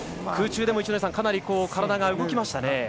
空中でもかなり体が動きましたね。